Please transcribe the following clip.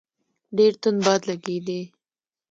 ډېر توند باد لګېدی.